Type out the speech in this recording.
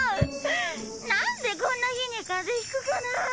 なんでこんな日にカゼひくかなァ。